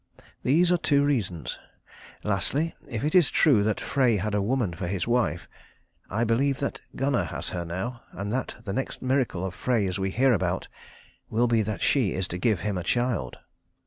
These are two reasons. Lastly, if it is true that Frey had a woman for his wife, I believe that Gunnar has her now, and that the next miracle of Frey's we hear about will be that she is to give him a child."